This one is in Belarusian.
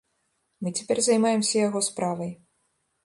Мы цяпер займаемся яго справай.